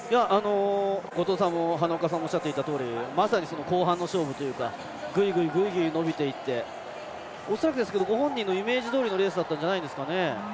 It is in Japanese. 後藤さんも花岡さんもおっしゃっていたとおりまさに後半の勝負というかグイグイ伸びていって恐らくですけどご本人のイメージどおりのレースだったんじゃないですかね。